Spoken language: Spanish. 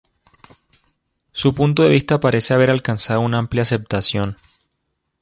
Su punto de vista parece haber alcanzado una amplia aceptación.